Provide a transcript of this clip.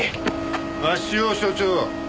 鷲尾所長。